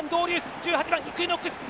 １８番イクイノックス！